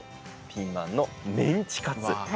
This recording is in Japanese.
ピーマンのメンチカツ。